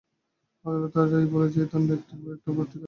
আদালত তার রায়ে বলেছেন, এই দণ্ড একটির পর অপরটি কার্যকর হবে।